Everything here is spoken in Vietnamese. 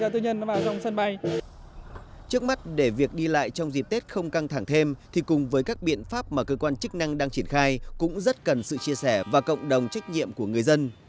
trước mắt để việc đi lại trong dịp tết không căng thẳng thêm thì cùng với các biện pháp mà cơ quan chức năng đang triển khai cũng rất cần sự chia sẻ và cộng đồng trách nhiệm của người dân